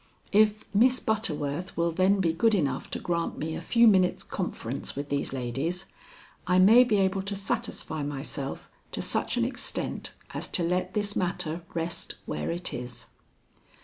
If Miss Butterworth will then be good enough to grant me a few minutes' conference with these ladies, I may be able to satisfy myself to such an extent as to let this matter rest where it is."